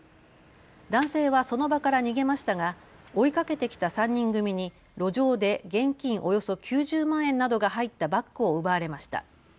男性はその場から逃げましたが追いかけてきた３人組に路上で現金およそ９０万円などが入ったバッグを奪われました。